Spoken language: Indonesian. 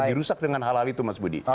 dirusak dengan hal hal itu mas budi